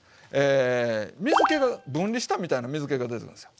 水けが分離したみたいな水けが出るんですよ。